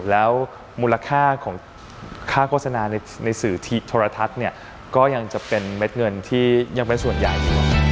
แล้วมูลค่าของค่าโฆษณาในสื่อโทรทัศน์เนี่ยก็ยังจะเป็นเม็ดเงินที่ยังเป็นส่วนใหญ่อยู่